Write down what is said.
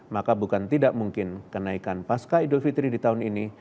maka bukan tidak mungkin kenaikan pasca idul fitri di tahun ini